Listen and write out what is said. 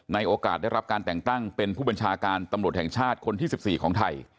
โอกาสได้รับการแต่งตั้งเป็นผู้บัญชาการตำรวจแห่งชาติคนที่๑๔ของไทย